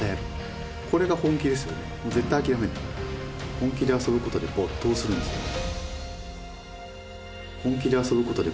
本気で遊ぶことで没頭するんですよね。